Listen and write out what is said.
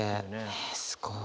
えすごい。